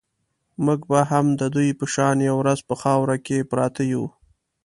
موږ به هم د دوی په شان یوه ورځ په خاورو کې پراته یو.